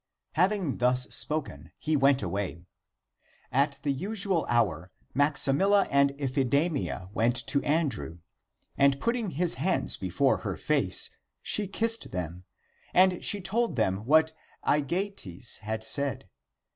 Having thus spoken, he went away. At the usual hour Maximilla and Iphidamia went to An drew. And putting his hands before her face, she kissed them, and she told him what Aegeates had said.